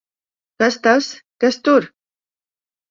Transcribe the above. Kas tas! Kas tur!